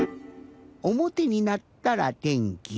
おもてになったら天気。